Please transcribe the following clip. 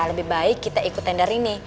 lebih baik kita ikut tender ini